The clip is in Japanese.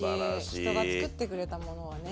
人が作ってくれたものはね